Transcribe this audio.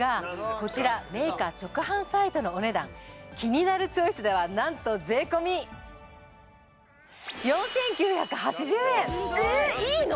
こちらメーカー直販サイトのお値段「キニナルチョイス」ではなんと税込えーっいいの？